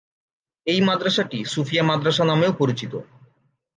এই মাদ্রাসাটি সুফিয়া মাদ্রাসা নামেও পরিচিত।